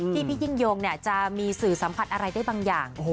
พี่ยิ่งยงจะมีสื่อสัมผัสอะไรได้บางอย่าง